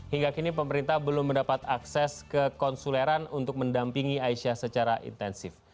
hingga kini pemerintah belum mendapat akses ke konsuleran untuk mendampingi aisyah secara intensif